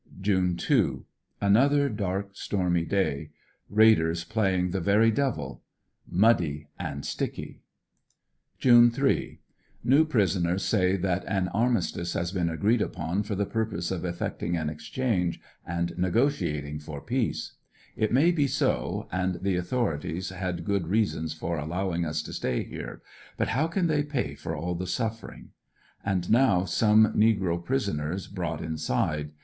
June 2. — Another dark, stormy day. Raiders playing the very devil. Muddy and sticky. ^aiim, U^^ ^mm^oh Sndlm^ 64 ANDER80NVILLE DIARY. June 3. — New prisoners say that an armistice has been agreed upon for the purpose of effecting an exchange, ard negotiating for peace. It may be so, and the authorities liad good reasons for allowing us to slay here, but how can they pay for all the suffering? And now some negro] prisoners] brought inside.